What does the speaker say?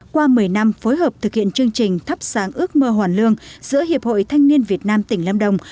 qua một mươi năm phối hợp thực hiện chương trình thắp sáng ước mơ hoàn lương giữa hiệp hội thanh niên việt nam tỉnh lâm đồng